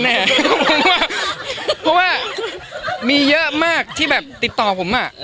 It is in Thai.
เพราะว่ามีเยอะมากที่ติดต่อผม